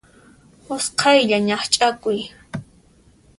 Usqhaylla ñaqch'akuy.